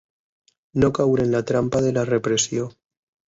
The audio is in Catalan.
No caure en la trampa de la repressió.